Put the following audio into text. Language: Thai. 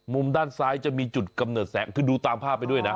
มุมด้านซ้ายจะมีจุดกำเนิดแสงคือดูตามภาพไปด้วยนะ